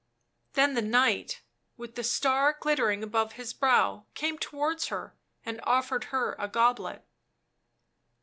Then the Knight, with the star glittering above his brow, came towards her and offered her a goblet.